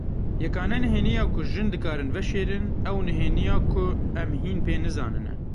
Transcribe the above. Yekane nihêniya ku jin dikarin veşêrin, ew nihêniya ku em hîn pê nizanin e.